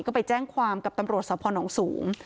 ก็ไปแจ้งความกับตำรวจสพนสูง